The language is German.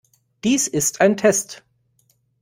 Dies ist ein Test.